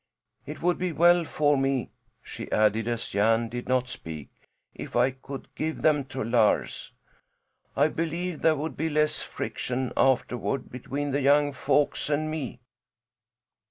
It would be well for me," she added, as Jan did not speak, "if I could give them to Lars. I believe there would be less friction afterward between the young folks and me."